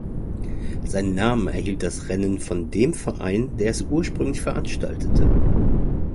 Seinen Namen erhielt das Rennen von dem Verein, der es ursprünglich veranstaltete.